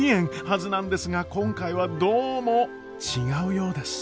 はずなんですが今回はどうも違うようです。